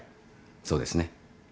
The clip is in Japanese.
そうですね。